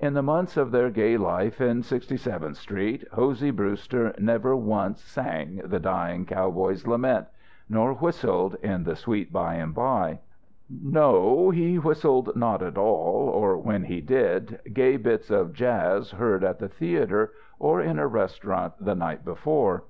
In the months of their gay life in Sixty seventh Street, Hosey Brewster never once sang "The Dying Cowboy's Lament," nor whistled "In the Sweet By and By." No; he whistled not at all, or, when he did, gay bits of jazz heard at the theatre or in a restaurant the night before.